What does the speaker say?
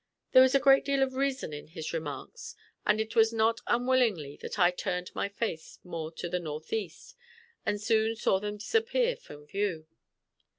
There was a great deal of reason in his remarks, and it was not unwillingly that I turned my face more to the northeast, and soon saw them disappear from view.